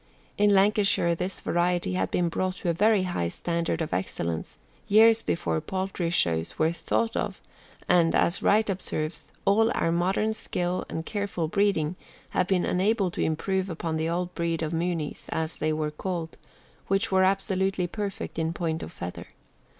In Lancashire this variety had been brought to a very high standard of excellence years before poultry shows were thought of, and, as Wright observes, all our modern skill and careful breeding have been unable to improve upon the old breed of Mooneys, as they were called, which were absolutely perfect in point of feather.